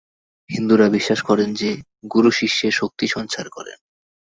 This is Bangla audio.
হিন্দুরা বিশ্বাস করেন যে, গুরু শিষ্যে শক্তিসঞ্চার করেন।